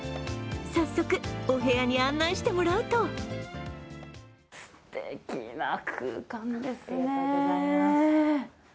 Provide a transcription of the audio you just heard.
早速、お部屋に案内してもらうとすてきな空間ですね。